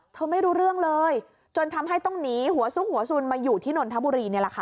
ไม่รู้เรื่องเลยจนทำให้ต้องหนีหัวซุกหัวสุนมาอยู่ที่นนทบุรีนี่แหละค่ะ